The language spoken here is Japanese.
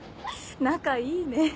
仲いいね。